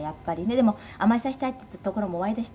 「でも甘えさせたいっていうところもおありでした？」